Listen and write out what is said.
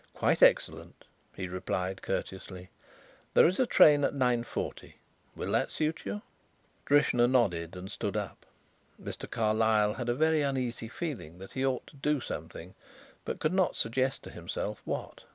"Quite excellent," he replied courteously. "There is a train at nine forty. Will that suit you?" Drishna nodded and stood up. Mr. Carlyle had a very uneasy feeling that he ought to do something but could not suggest to himself what.